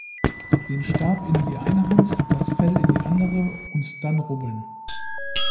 Den Stab in die eine Hand, das Fell in die andere und dann rubbeln!